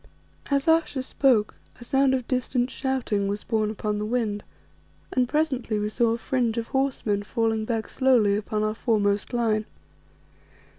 As Ayesha spoke a sound of distant shouting was borne upon the wind, and presently we saw a fringe of horsemen falling back slowly upon our foremost line.